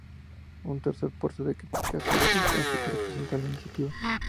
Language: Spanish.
Un tercer punto de crítica ha sido el coste que representa la iniciativa.